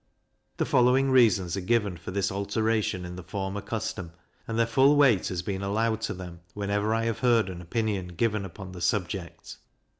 The following reasons are given for this alteration in the former custom, and their full weight has been allowed to them whenever I have heard an opinion given upon the subject.